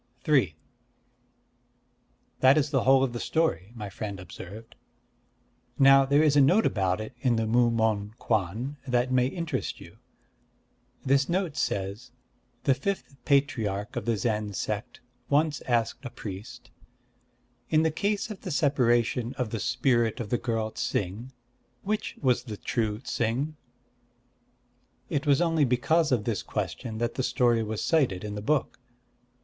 III "That is the whole of the story," my friend observed. "Now there is a note about it in the Mu Mon Kwan that may interest you. This note says: 'The fifth patriarch of the Zen sect once asked a priest, "In the case of the separation of the spirit of the girl Ts'ing, which was the true Ts'ing?"' It was only because of this question that the story was cited in the book.